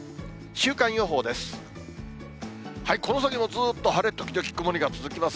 週間予報です。